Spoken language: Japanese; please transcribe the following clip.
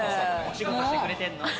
お仕事してくれてんの。